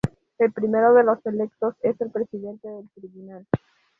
El primero de los electos es el Presidente del Tribunal.